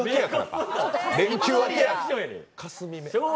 かすみ目。